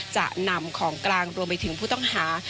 จะนำของกลางรวมไปถึงผู้ต้องหา